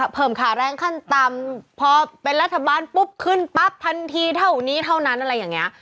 ขาแรงขั้นต่ำพอเป็นรัฐบาลปุ๊บขึ้นปั๊บทันทีเท่านี้เท่านั้นอะไรอย่างนี้